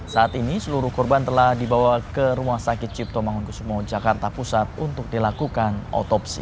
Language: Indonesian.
saat ini seluruh korban telah dibawa ke rumah sakit cipto mangunkusumo jakarta pusat untuk dilakukan otopsi